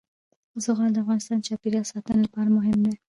زغال د افغانستان د چاپیریال ساتنې لپاره مهم دي.